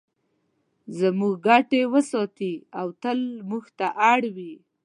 زموږ ګټې وساتي او تل موږ ته اړ وي.